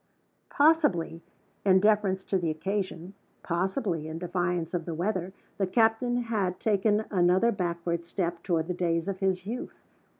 Possibly, in deference to the occasion, possibly, in defiance of the weather, the captain had taken another backward step toward the days of his youth.